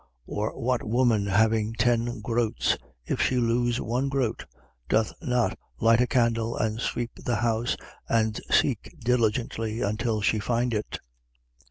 15:8. Or what woman having ten groats, if she lose one groat, doth not light a candle and sweep the house and seek diligently until she find it?